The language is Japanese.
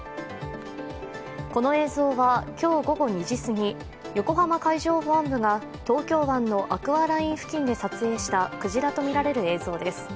この映像は今日午後２時すぎ横浜海上保安部が東京湾のアクアライン付近で撮影したクジラとみられる映像です。